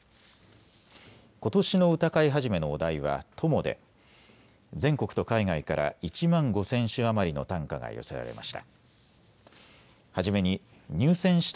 ことしの歌会始のお題は友で全国と海外から１万５０００首余りの短歌が寄せられました。